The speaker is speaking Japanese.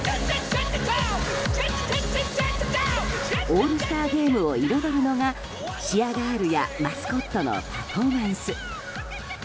オールスターゲームを彩るのがチアガールやマスコットのパフォーマンス。